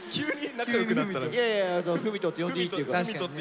いやいや郁人って呼んでいいって言うから。